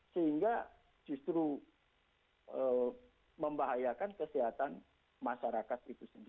sehingga justru membahayakan kesehatan masyarakat